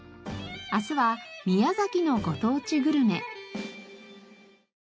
明日は宮崎のご当地グルメ。